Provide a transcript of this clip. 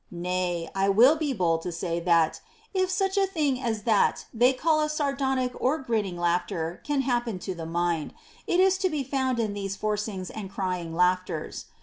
Nay, I will be bold to say that, if such a thing as that they call a sardonic or grinning laugh ter can happen to the mind, it is to be found in these for cings and crying laughters.